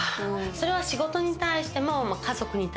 それは仕事に対しても家族に。